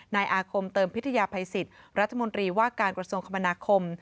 นายอาคมเติมพิทยาภัยสิทธิ์รัฐมนตรีว่าการกระทรวงคมนาคม